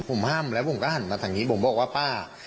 ผมห้ามแล้วผมก็หันมาทางนี้ผมบอกว่าป้า